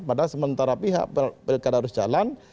padahal sementara pihak berkarakter jalan